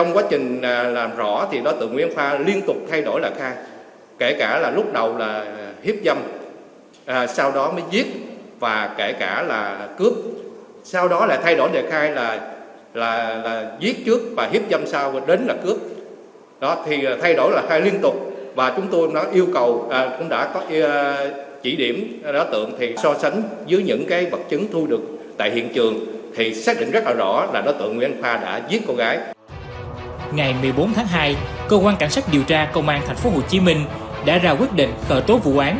ngày một mươi bốn tháng hai cơ quan cảnh sát điều tra công an thành phố hồ chí minh đã ra quyết định khởi tố vụ án